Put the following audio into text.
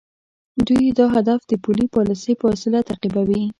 دوی دا هدف د پولي پالیسۍ په وسیله تعقیبوي.